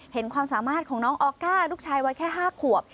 ความสามารถของน้องออก้าลูกชายไว้แค่๕ขวบ